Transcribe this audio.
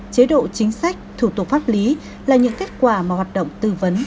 chế độ chính sách thủ tục pháp lý là những kết quả mà hoạt động tư vấn